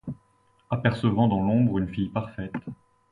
Apercevant dans l'ombre une fille parfaite